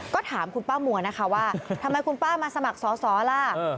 ก็ถามคุณป้ามัวนะคะว่าทำไมคุณป้ามาสมัครสอสอล่ะ